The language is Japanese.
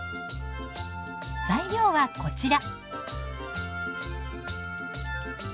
材料はこちら。